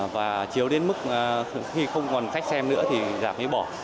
và chiếu đến mức khi không còn khách xem nữa thì dạp mới bỏ